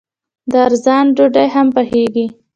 د ارزن ډوډۍ هم پخیږي.